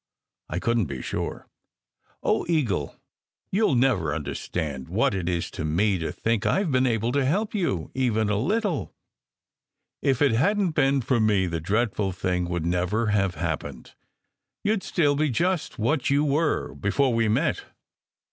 I couldn t be sure. Oh, Eagle! You ll never understand what it is to me to think I ve been able to help you, even a little. If it hadn t been for me the dreadful thing would never have happened. You d still be just what you were before we met."